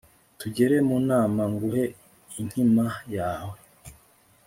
tugere mu nama nguhe inkima yawe